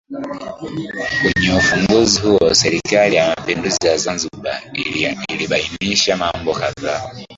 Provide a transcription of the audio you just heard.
Kwenye ufunguzi huo Serikali ya Mapinduzi ya Zanzibar ilibainisha mambo kadhaa